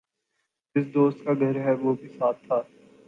جس دوست کا گھر ہےوہ بھی ساتھ تھا ۔